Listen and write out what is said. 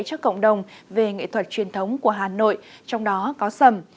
cho cộng đồng về nghệ thuật truyền thống của hà nội trong đó có sầm